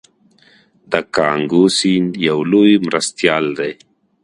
د کانګو سیند یو لوی مرستیال دی.